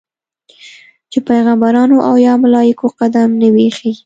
چې پیغمبرانو او یا ملایکو قدم نه وي ایښی.